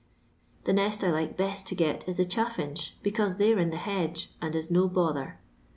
The nest I like best to get is the chaffinch, because they 're in the hedge, and is no bother.